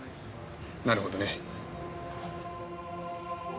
なるほどね。